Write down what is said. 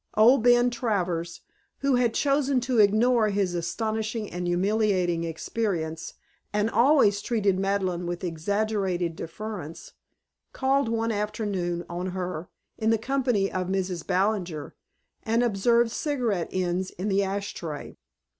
Old Ben Travers, who had chosen to ignore his astonishing and humiliating experience and always treated Madeleine with exaggerated deference, called one afternoon on her (in company with Mrs. Ballinger) and observed cigarette ends in the ash tray.